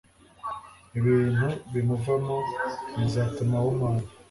ibintu bimuvamo bizatuma ahumana